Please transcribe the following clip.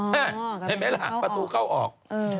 เห็นไหมล่ะประตูเข้าออก